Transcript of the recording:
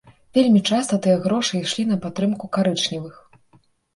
Вельмі часта тыя грошы ішлі на падтрымку карычневых.